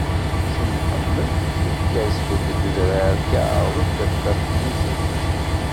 Si Mḥemmed ifka asfel deg udrar, iɛreḍ-d atmaten-is ad ččen.